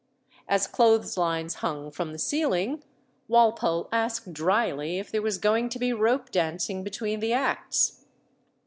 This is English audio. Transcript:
As clothes lines hung from the ceiling, Walpole asked drily if there was going to be rope dancing between the acts.